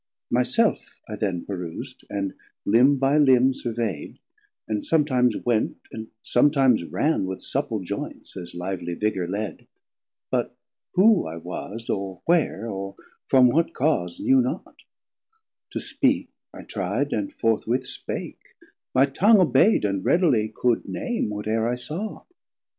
My self I then perus'd, and Limb by Limb Survey'd, and sometimes went, and sometimes ran With supple joints, as lively vigour led: But who I was, or where, or from what cause, 270 Knew not; to speak I tri'd, and forthwith spake, My Tongue obey'd and readily could name What e're I saw.